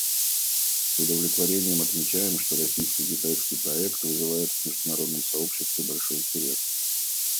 С удовлетворением отмечаем, что российско-китайский проект вызывает в международном сообществе большой интерес.